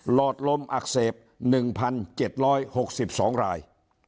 อดลมอักเสบ๑๗๖๒ราย